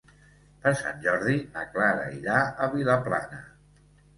Per Sant Jordi na Clara irà a Vilaplana.